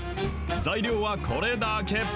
材料はこれだけ。